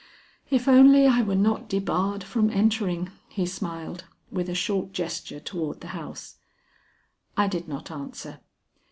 "If only I were not debarred from entering," he smiled, with a short gesture toward the house. I did not answer.